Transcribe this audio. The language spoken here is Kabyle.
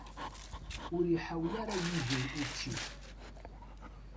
Ur iḥawel ara Yidir učči.